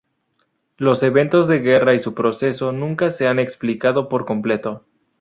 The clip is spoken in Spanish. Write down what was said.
Los eventos de la guerra y su progreso nunca se han explicado por completo.